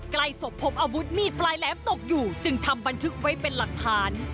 ใกล้ศพพบอาวุธมีดปลายแหลมตกอยู่จึงทำบันทึกไว้เป็นหลักฐาน